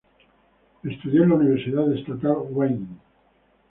Estudió en la Universidad Estatal Wayne.